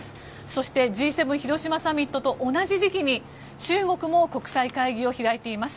そして、Ｇ７広島サミットと同じ時期に中国も国際会議を開いています。